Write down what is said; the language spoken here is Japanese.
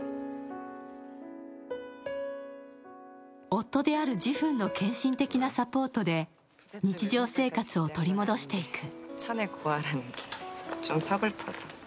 夫であるジフンの献身的なサポートで日常生活を取り戻していく。